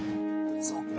そうか。